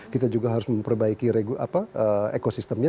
kita juga harus memperbaiki ekosistemnya